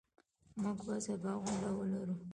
موږ به سبا غونډه ولرو.